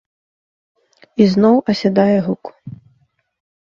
І зноў асядае гук.